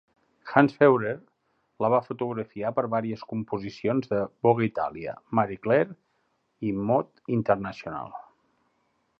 Hans Feurer la va fotografiar per varies composicions de "Vogue Italia", "Marie Claire", "Mode International".